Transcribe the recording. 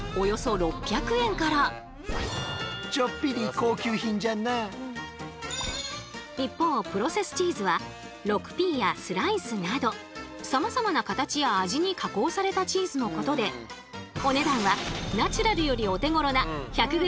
お値段は一方プロセスチーズは６Ｐやスライスなどさまざまな形や味に加工されたチーズのことでお値段はナチュラルよりお手ごろな１００ｇ